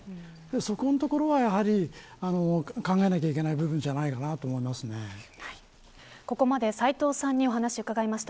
そこのところは、やはり考えなきゃいけない部分ここまで斎藤さんにお話を伺いました。